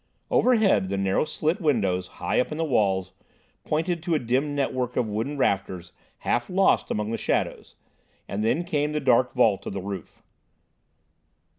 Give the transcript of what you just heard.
Overhead, the narrow slit windows, high up the walls, pointed to a dim network of wooden rafters half lost among the shadows, and then came the dark vault of the roof.